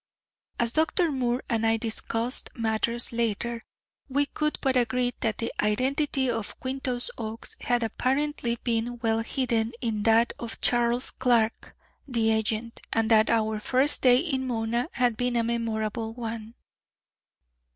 As Dr. Moore and I discussed matters later, we could but agree that the identity of Quintus Oakes had apparently been well hidden in that of Charles Clark, the agent, and that our first day in Mona had been a memorable one.